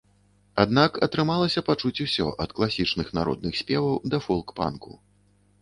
Аднак, атрымалася пачуць усё ад класічных народных спеваў да фолк-панку.